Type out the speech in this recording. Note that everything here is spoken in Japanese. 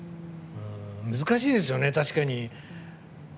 難しいですよね、確かに。